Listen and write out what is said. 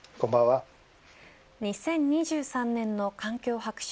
２０２３年の環境白書